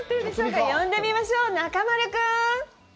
呼んでみましょう、中丸君！